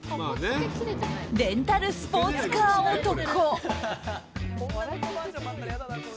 レンタルスポーツカー男。